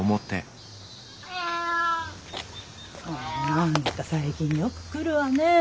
あんた最近よく来るわねえ。